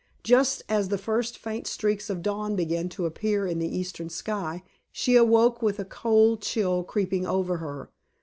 Just as the first faint streaks of dawn began to appear in the eastern sky, she awoke with a cold chill creeping over her.